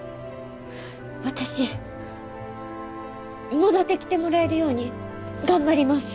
私戻ってきてもらえるように頑張ります。